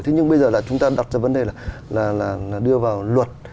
thế nhưng bây giờ là chúng ta đặt ra vấn đề là đưa vào luật